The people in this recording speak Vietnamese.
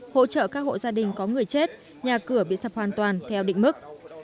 hỗ trợ các hộ gia đình có người chết nhà cửa bị sập hoàn toàn theo định mức